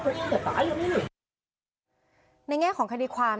ยายถามนิ่งแต่เจ็บลึกถึงใจนะ